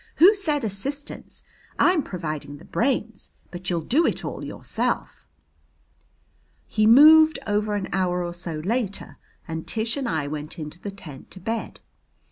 "Who said assistance? I'm providing the brains, but you'll do it all yourself." He moved over an hour or so later and Tish and I went into the tent to bed.